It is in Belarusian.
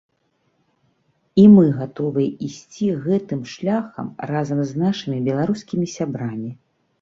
І мы гатовыя ісці гэтым шляхам разам з нашымі беларускімі сябрамі.